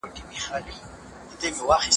روحي روغتیا په نیکۍ کې ده.